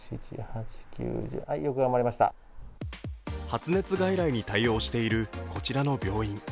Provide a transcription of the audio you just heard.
発熱外来に対応しているこちらの病院。